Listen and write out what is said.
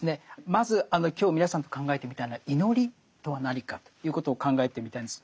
まず今日皆さんと考えてみたいのは祈りとは何かということを考えてみたいんです。